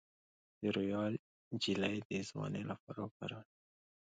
د رویال جیلی د ځوانۍ لپاره وکاروئ